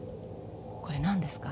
これ何ですか？